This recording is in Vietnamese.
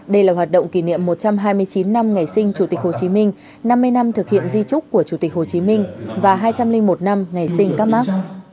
đây là hoạt động kỷ niệm một trăm hai mươi chín năm ngày sinh chủ tịch hồ chí minh năm mươi năm thực hiện di trúc của chủ tịch hồ chí minh và hai trăm linh một năm ngày sinh các mắc